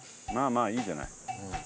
まあいいんじゃない。